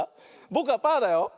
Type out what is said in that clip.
ぼくはパーだよ。